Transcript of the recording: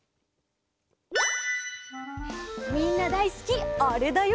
みんなだいすきあれだよ。